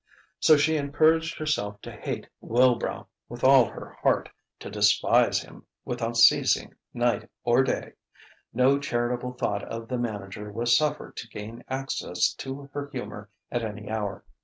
So she encouraged herself to hate Wilbrow with all her heart, to despise him without ceasing night or day; no charitable thought of the manager was suffered to gain access to her humour at any hour.